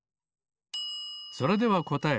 それではこたえ。